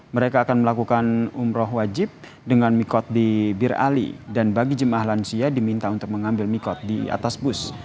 mereka akan melakukan umroh wajib dengan mikot di bir ali dan bagi jemaah lansia diminta untuk mengambil mikot di atas bus